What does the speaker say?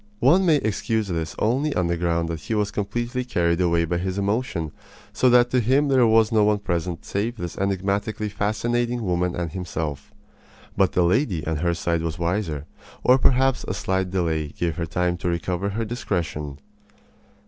One may excuse this only on the ground that he was completely carried away by his emotion, so that to him there was no one present save this enigmatically fascinating woman and himself. But the lady on her side was wiser; or perhaps a slight delay gave her time to recover her discretion.